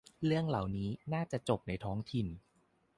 เรื่องเหล่านี้น่าจะจบในท้องถิ่น